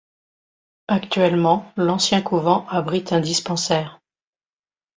Actuellement, l'ancien couvent abrite un dispensaire.